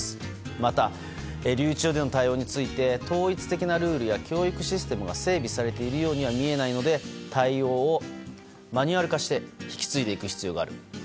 また、留置場での対応について統一的なルールや教育システムが整備されているようには見えないので対応をマニュアル化して引き継いでいく必要がある。